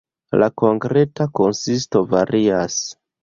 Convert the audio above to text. La konkreta konsisto varias.